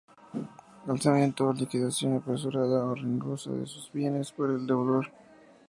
Alzamiento o liquidación apresurada o ruinosa de sus bienes por el deudor.